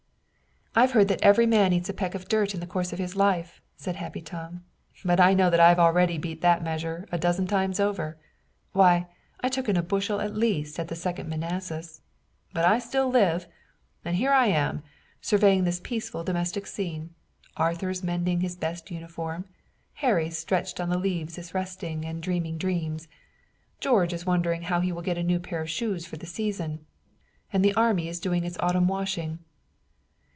"I've heard that every man eats a peck of dirt in the course of his life," said Happy Tom, "but I know that I've already beat the measure a dozen times over. Why, I took in a bushel at least at the Second Manassas, but I still live, and here I am, surveying this peaceful domestic scene. Arthur is mending his best uniform, Harry stretched on the leaves is resting and dreaming dreams, George is wondering how he will get a new pair of shoes for the season, and the army is doing its autumn washing."